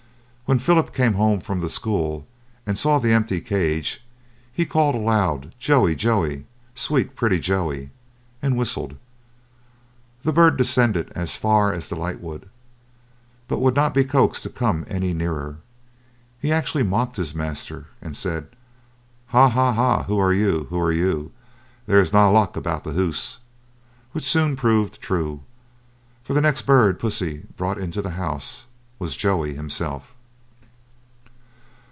When Philip came home from the school, and saw the empty cage, he called aloud, "Joey, Joey, sweet pretty Joey," and whistled. The bird descended as far as the lightwood, but would not be coaxed to come any nearer. He actually mocked his master, and said, "Ha, ha, ha! who are you? Who are you? There is na luck aboot the hoose," which soon proved true, for the next bird Pussy brought into the house was Joey himself.